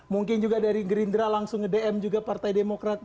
mungkin juga dari gerindra langsung nge dm juga partai demokrat